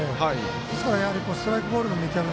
ですからストライクボールの見極め